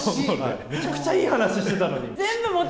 めちゃくちゃいい話してたのに。